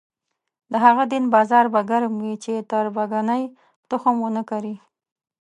د هغه دین بازار به ګرم وي چې تربګنۍ تخم ونه کري.